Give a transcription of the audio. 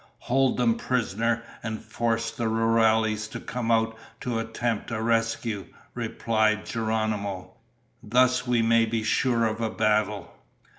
"Hold them prisoner and force the rurales to come out to attempt a rescue," replied Geronimo. "Thus we may be sure of a battle."